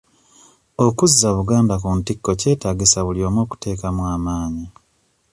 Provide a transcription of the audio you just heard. Okuzza Buganda ku ntikko kyetaagisa buli omu okuteekamu amaanyi.